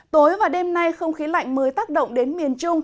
tối và đêm nay không khí lạnh mới tác động đến miền trung